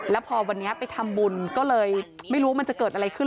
แล้วพอวันนี้ไปทำบุญก็เลยไม่รู้ว่ามันจะเกิดอะไรขึ้น